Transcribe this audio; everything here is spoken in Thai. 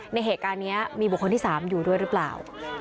ในเหตุการณ์นี้มีบุคคลที่๓อยู่ด้วยหรือเปล่า